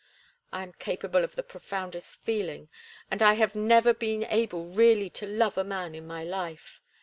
I am capable of the profoundest feeling, and I have never been able really to love a man in my life.